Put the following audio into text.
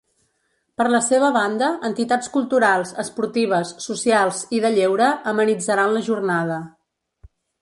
Per la seva banda, entitats culturals, esportives, socials i de lleure amenitzaran la jornada.